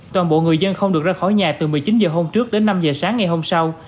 toàn bộ người dân không được ra khỏi nhà từ một mươi chín h hôm trước đến năm h sáng ngày hôm sau